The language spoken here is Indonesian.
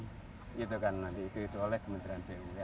gitu kan nanti itu itu oleh kementerian pu ya